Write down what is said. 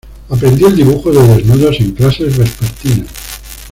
Aprendió el dibujo de desnudos en clases vespertinas.